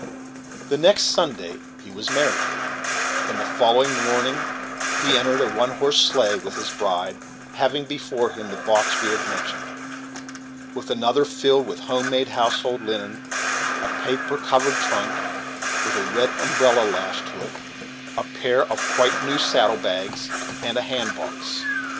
The next Sunday he was married, and the following morning he entered a one horse sleigh with his bride, having before him the box we have mentioned, with another filled with home made household linen, a paper covered trunk with a red umbrella lashed to it, a pair of quite new saddle bags, and a handbox.